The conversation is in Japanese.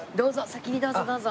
先にどうぞどうぞ。